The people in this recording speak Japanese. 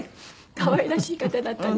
可愛らしい方だったんですね。